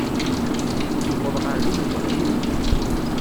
Nuweḍ ɣer din uqbel-im.